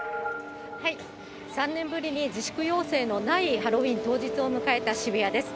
３年ぶりに自粛要請のないハロウィーン当日を迎えた渋谷です。